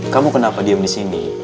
kamu kenapa diam di sini